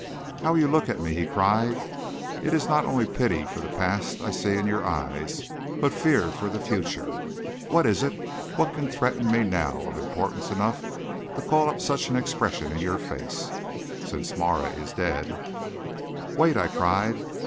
"How you look at me!" he cried. "It is not only pity for the past I see in your eyes, but fear for the future. What is it? What can threaten me now of importance enough to call up such an expression to your face? Since Marah is dead " "Wait!" I cried.